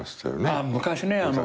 ああ昔ね。